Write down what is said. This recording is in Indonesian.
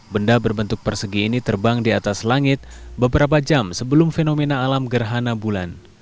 benda berbentuk persegi ini terbang di atas langit beberapa jam sebelum fenomena alam gerhana bulan